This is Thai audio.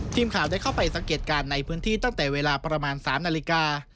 ทีมข่าวได้เข้าไปสังเกตการณ์ในพื้นที่ตั้งแต่เวลาประมาณ๓นาฬิกา